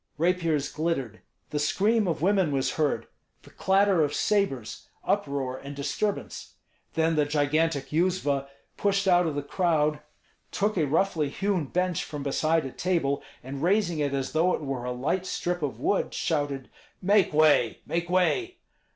Rapiers glittered; the scream of women was heard, the clatter of sabres, uproar and disturbance. Then the gigantic Yuzva pushed out of the crowd, took a roughly hewn bench from beside a table, and raising it as though it were a light strip of wood, shouted, "Make way! make way!"